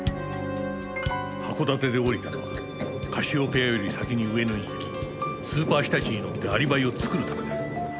函館で降りたのはカシオペアより先に上野に着きスーパーひたちに乗ってアリバイを作るためです。